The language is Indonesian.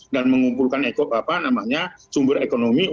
dan mengumpulkan sumber ekonomi